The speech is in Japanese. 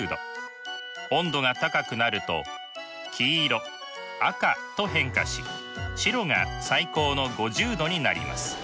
温度が高くなると黄色赤と変化し白が最高の５０℃になります。